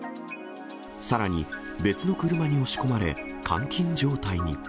さらに、別の車に押し込まれ、監禁状態に。